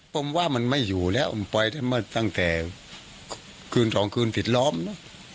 ผมว่ามันไม่อยู่แล้วผมไปตั้งแต่คืนสองคืนปิดล้อมเนอะ